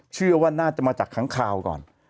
เชื่อว่าน่าจะมาจากค้างคาวก่อน